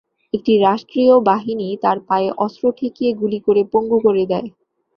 একটি রাষ্ট্রীয় বাহিনী তার পায়ে অস্ত্র ঠেকিয়ে গুলি করে পঙ্গু করে দেয়।